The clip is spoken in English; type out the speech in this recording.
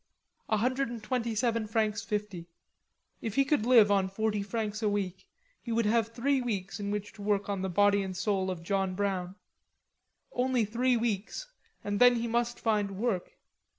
A hundred and twenty seven francs fifty. If he could live on forty francs a week, he would have three weeks in which to work on the "Body and Soul of John Brown." Only three weeks; and then he must find work.